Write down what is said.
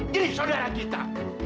diri saudara kita